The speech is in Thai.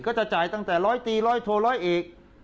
ก็จะจ่ายตั้งแต่ร้อยตีร้อยโทร้อยเอก